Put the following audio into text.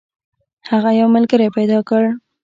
هغه یو ملګری پیدا کړ.